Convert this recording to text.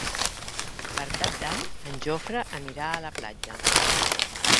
Per Cap d'Any en Jofre irà a la platja.